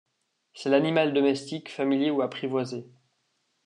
C'est l'animal domestique, familier ou apprivoisé.